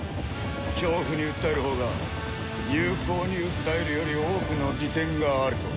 恐怖に訴えるほうが友好に訴えるより多くの利点があると。